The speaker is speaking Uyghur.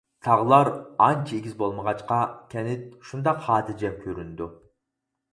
تاغلار ئانچە ئېگىز بولمىغاچقا، كەنت شۇنداق خاتىرجەم كۆرۈنىدۇ.